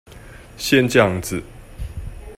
先醬子